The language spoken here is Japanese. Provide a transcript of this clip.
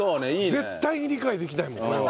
絶対に理解できないもんこれは。